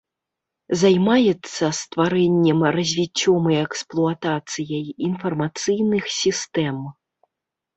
Займаецца стварэннем, развіццём і эксплуатацыяй інфармацыйных сістэм.